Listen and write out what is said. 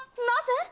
なぜ？